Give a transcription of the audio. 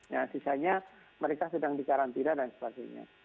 nah sisanya mereka sedang dikarantina dan sebagainya